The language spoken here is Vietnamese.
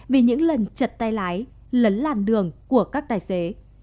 vì những lần chật tay lái lấn làn đường của các tài xế